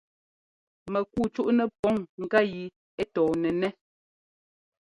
Mɛkuu cúʼnɛ pǔŋ ŋká yi ɛ tɔɔnɛnɛ́.